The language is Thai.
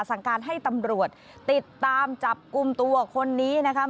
สั่งการให้ตำรวจติดตามจับกลุ่มตัวคนนี้นะคะ